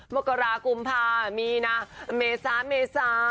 มกรากุมภามีนาเมษาเมษา